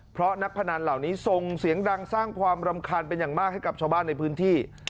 เพราะนักพนันเหล่านี้ส่งเสียงดังสร้างความรำคาญเป็นอย่างมากให้กับชาวบ้านในพื้นที่